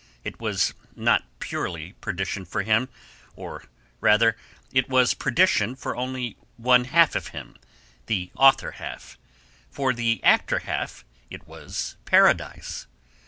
It was not purely perdition for him, or, rather, it was perdition for only one half of him, the author half; for the actor half it was paradise.